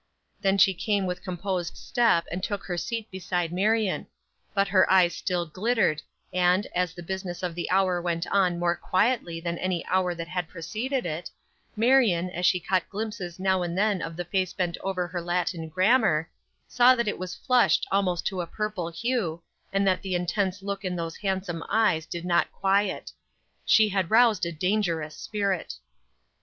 Then she came with composed step and took her seat beside Marion: but her eyes still glittered, and, as the business of the hour went on more quietly than any hour that had preceded it, Marion, as she caught glimpses now and then of the face bent over her Latin Grammar, saw that it was flushed almost to a purple hue, and that the intense look in those handsome eyes did not quiet. She had roused a dangerous spirit.